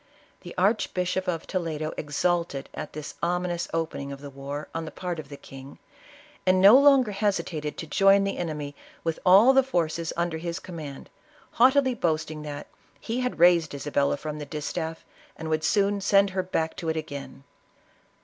The Archbishop of Toledo ex ulted at this ominous opening of the war on the part of the king, and no longer hesitated to join the enemy with all the forces under his command, haughtily boast ing that " he had raised Isabella from the distaff, and would soon send 4ier back to it again."